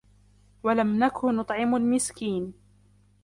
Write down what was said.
ولم نك نطعم المسكين